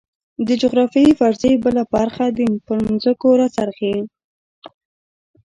د جغرافیوي فرضیې بله برخه پر ځمکو راڅرخي.